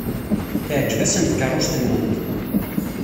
Teɛjeb-asen tkeṛṛust-nwent.